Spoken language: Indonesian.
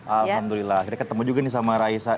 alhamdulillah kita ketemu juga nih sama raisa